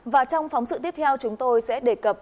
và trong phóng sự tiếp theo chúng tôi sẽ đề cập